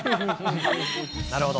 なるほど。